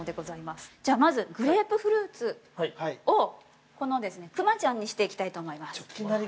◆じゃあまずグレープフルーツをクマちゃんにしていきたいと思います。